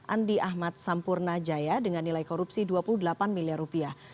andi ahmad sampurna jaya dengan nilai korupsi dua puluh delapan miliar rupiah